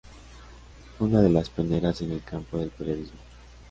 Fue una de las pioneras en el campo del periodismo.